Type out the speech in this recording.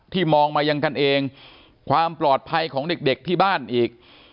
มองมายังกันเองความปลอดภัยของเด็กที่บ้านอีก